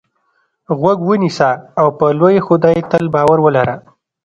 غوږ ونیسه او په لوی خدای تل باور ولره.